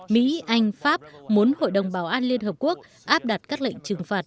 mỹ anh pháp muốn hội đồng bảo an liên hợp quốc áp đặt các lệnh trừng phạt